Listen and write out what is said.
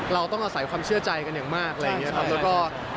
เราต้องอาศัยความเชื่อใจกันอย่างมากอะไรอย่างนี้ครับแล้วก็